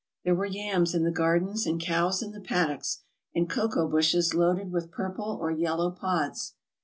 There were yams in the gardens and cows in the paddocks, and cocoa bushes loaded with purple or yellow pods.